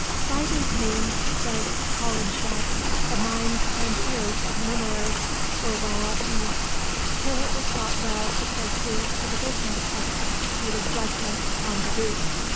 By these means, says Holinshed, the minds and ears of murmurers were well appeased, till it was thought well to proceed to the business of executing judgment upon the Duke.